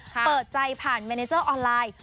เปิดใจผ่านเมเนเจอร์ออนไลน์